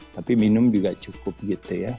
tapi minum juga cukup gitu ya